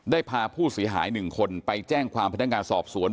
พาผู้เสียหาย๑คนไปแจ้งความพนักงานสอบสวน